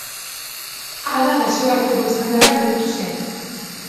Ada nazioarteko estandarra bihurtu zen.